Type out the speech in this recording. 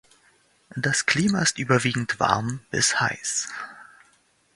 Das Klima ist überwiegend warm bis heiß.